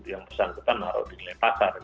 yang bersangkutan naruh di nilai pasar